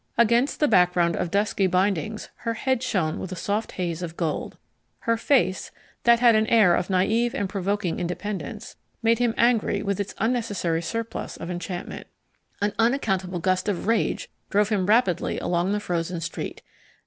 Against the background of dusky bindings her head shone with a soft haze of gold. Her face, that had an air of naive and provoking independence, made him angry with its unnecessary surplus of enchantment. An unaccountable gust of rage drove him rapidly along the frozen street.